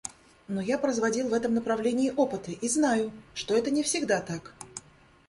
Но я производил в этом направлении опыты и знаю, что это не всегда так.